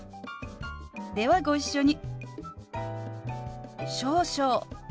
ではご一緒に。